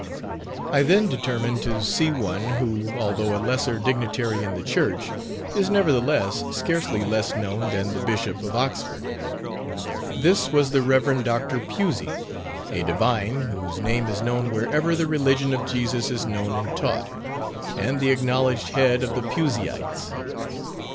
I then determined to see one who, although a lesser dignitary in the church, is nevertheless, scarcely less known than the Bishop of Oxford. This was the Rev. Dr. Pusey, a divine, whose name is known wherever the religion of Jesus is known and taught, and the acknowledged head of the Puseyites.